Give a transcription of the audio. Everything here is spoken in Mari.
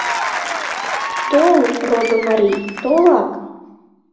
— Тол, родо марий, толак.